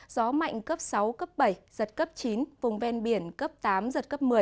gió mạnh cấp sáu cấp bảy giật cấp chín vùng ven biển cấp tám giật cấp một mươi